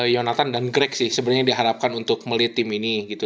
yonatan dan greg sih sebenarnya diharapkan untuk melihat tim ini gitu